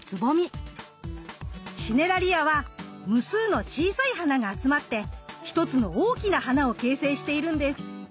シネラリアは無数の小さい花が集まって一つの大きな花を形成しているんです。